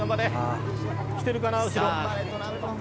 来てるかな後ろ。